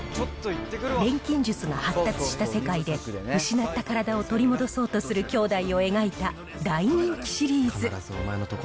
錬金術が発達した世界で、失った体を取り戻そうとする兄弟を描いた大人気シリーズ。